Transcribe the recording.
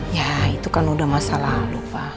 ya itu kan udah masa lalu pa